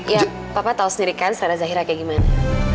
ya papa tahu sendiri kan secara zahira kayak gimana